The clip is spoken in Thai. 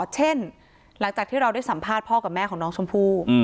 เช่นหลังจากที่เราได้สัมภาษณ์พ่อกับแม่ของน้องชมพู่